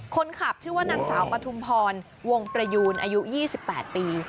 คนขับชื่อว่านางสาวปฐุมพรวงประยูนอายุ๒๘ปี